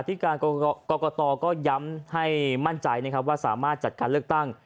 ที่การกรกตก็ย้ำให้มั่นใจนะครับว่าสามารถจัดการเลือกตั้ง